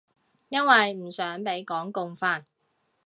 因為唔想畀港共煩